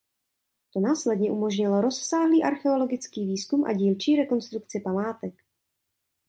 To následně umožnilo rozsáhlý archeologický výzkum a dílčí rekonstrukci památek.